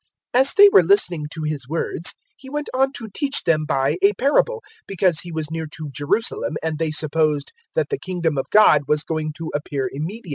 019:011 As they were listening to His words, He went on to teach them by a parable, because He was near to Jerusalem and they supposed that the Kingdom of God was going to appear immediately.